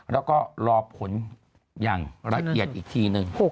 แล้วก็รอผลอย่างละเอียดอีกทีนึง